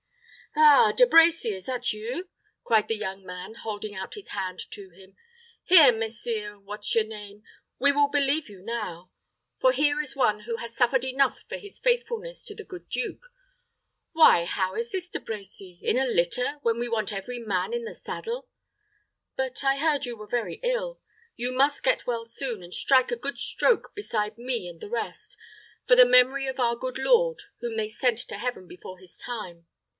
"Ah, De Brecy, is that you?" cried the young, man, holding out his hand to him. "Here, Messire What's your name, we will believe you now; for here is one who has suffered enough for his faithfulness to the good duke. Why, how is this, De Brecy? In a litter when we want every man in the saddle. But I heard you were very ill. You must get well soon, and strike a good stroke beside me and the rest, for the memory of our good lord, whom they sent to heaven before his time.